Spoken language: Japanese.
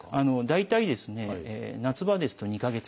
大体夏場ですと２か月ぐらい。